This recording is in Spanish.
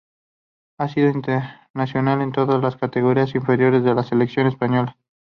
Ha sido internacional en todas las categorías inferiores de la selección española.